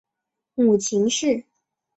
母秦氏。